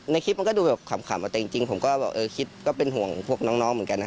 คลิปมันก็ดูแบบขำแต่จริงผมก็แบบเออคิดก็เป็นห่วงพวกน้องเหมือนกันนะ